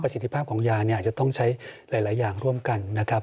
สิทธิภาพของยาเนี่ยจะต้องใช้หลายอย่างร่วมกันนะครับ